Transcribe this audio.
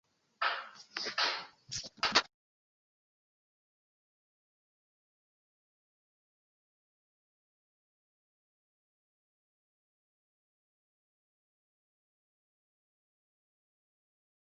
Ŝi leviĝis kaj avide direktis siajn okulojn al la vizaĝo de la malsupreniranta virino.